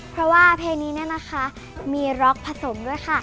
เพราะว่าเพลงนี้มีเมนินที่ร็อกผสม